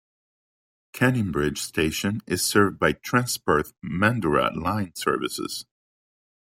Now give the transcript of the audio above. Canning Bridge station is served by Transperth Mandurah line services.